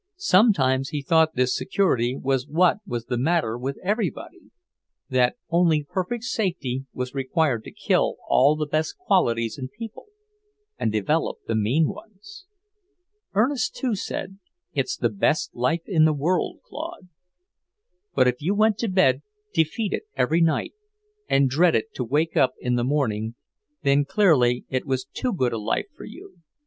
Sometimes he thought this security was what was the matter with everybody; that only perfect safety was required to kill all the best qualities in people and develop the mean ones. Ernest, too, said "it's the best life in the world, Claude." But if you went to bed defeated every night, and dreaded to wake in the morning, then clearly it was too good a life for you.